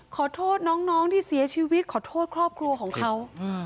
ขอโทษน้องที่เสียชีวิตขอโทษครอบครัวของเขา